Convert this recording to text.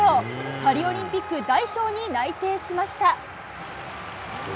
パリオリンピック代表に内定しました。